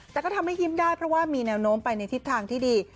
แต่ก็ทำให้ยิ้มได้เพราะว่ามีแนวโน้มไปในทิศทางที่ดี